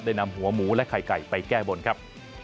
นำหัวหมูและไข่ไก่ไปแก้บนครับ